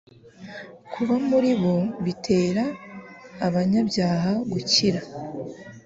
Kuba muri bo bitera abanyabyaha gukira.